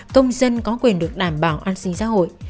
công dân có quyền được đảm bảo an sinh xã hội